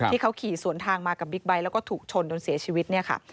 ที่เขาขี่สวนทางมากับบิ๊กไบท์แล้วก็ถูกชนจนเสียชีวิตเนี่ยค่ะ